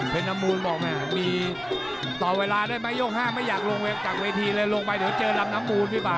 เป็นน้ำมูลบอกแม่มีต่อเวลาได้ไหมยก๕ไม่อยากลงจากเวทีเลยลงไปเดี๋ยวเจอลำน้ำมูลพี่ป่า